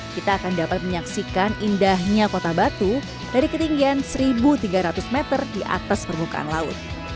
kita akan dapat menyaksikan indahnya kota batu dari ketinggian satu tiga ratus meter di atas permukaan laut